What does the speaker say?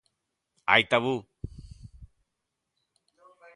Hai tabú.